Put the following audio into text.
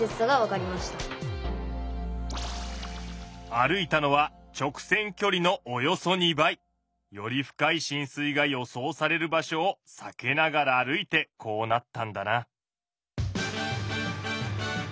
歩いたのは直線きょりのおよそ２倍。より深いしん水が予想される場所を避けながら歩いてこうなったんだな。